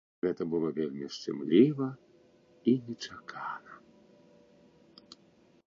Гэта было вельмі шчымліва і нечакана.